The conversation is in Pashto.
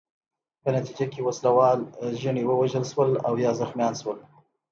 په نتیجه کې وسله وال ژڼي ووژل شول او یا زخمیان شول.